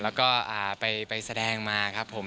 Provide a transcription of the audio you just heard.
แล้วก็ไปแสดงมาครับผม